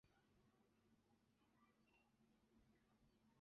此地俄语地名来源俄国海军上将。